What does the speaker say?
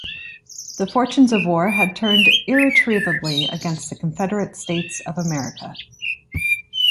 The fortunes of war had turned irretrievably against the Confederate States of America.